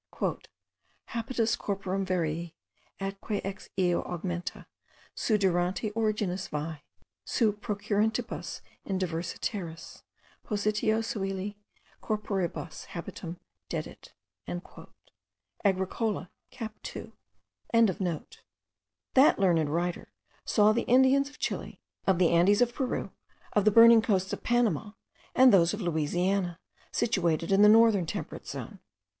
"Habitus corporum varii; atque ex eo argumenta, seu durante originis vi, seu procurrentibus in diversa terris, positio coeli corporibus habitum dedit." Agricola, cap 2.) That learned writer saw the Indians of Chile, of the Andes of Peru, of the burning coasts of Panama, and those of Louisiana, situated in the northern temperate zone.